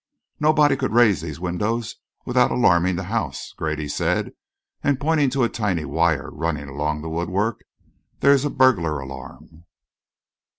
"Nobody could raise these windows without alarming the house," Grady said, and pointed to a tiny wire running along the woodwork. "There's a burglar alarm."